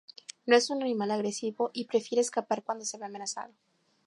No es un animal agresivo y prefiere escapar cuando se ve amenazado.